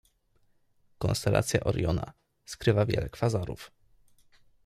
Konstelacja Oriona skrywa wiele kwazarów.